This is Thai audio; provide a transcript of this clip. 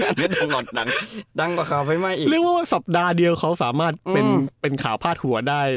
เรียกว่าสัปดาห์เดียวเขาสามารถเป็นข่าวพาดหัวได้